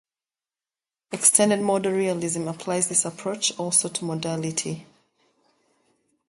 Extended modal realism applies this approach also to modality.